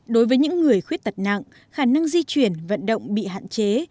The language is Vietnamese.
đối với những người khuyết tật nặng khả năng di chuyển vận động bị hạn chế